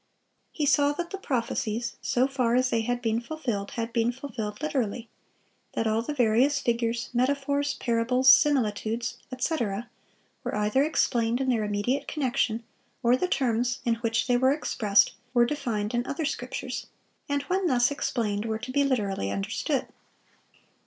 He saw that the prophecies, so far as they had been fulfilled, had been fulfilled literally; that all the various figures, metaphors, parables, similitudes, etc., were either explained in their immediate connection, or the terms in which they were expressed were defined in other scriptures, and when thus explained, were to be literally understood.